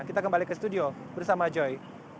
kita kembali ke studio bersama joy